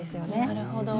なるほど。